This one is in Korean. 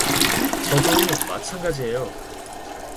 저도 마찬가지예요.